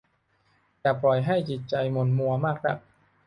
อย่าปล่อยให้จิตใจหม่นมัวมากนัก